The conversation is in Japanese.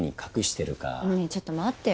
何ちょっと待ってよ。